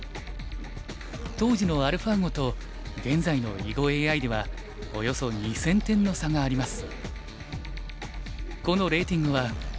当時のアルファ碁と現在の囲碁ＡＩではおよそ２０００点の差があります。